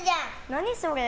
何それ？